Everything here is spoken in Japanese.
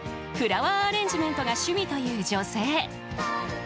フラワーアレンジメントが趣味という女性。